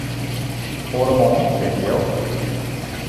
Oaremoarn, sizze jo?